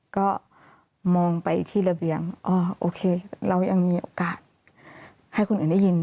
ก็มองไปที่ระเบียงอ๋อโอเคเรายังมีโอกาสให้คนอื่นได้ยิน